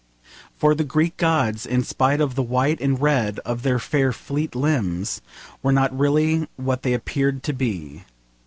For the Greek gods, in spite of the white and red of their fair fleet limbs, were not really what they appeared to be.